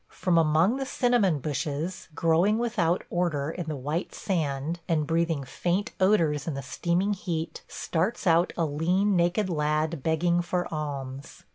From among the cinnamon bushes growing without order in the white sand, and breathing faint odors in the steaming heat, starts out a lean, naked lad begging for alms.